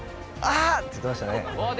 「あっ！」って言ってましたね